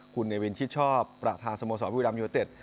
คุณเอวินชิชช้อประทานสโมสรบริรามยูเต็ด